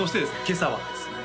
今朝はですね